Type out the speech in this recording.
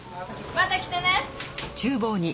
また来てね。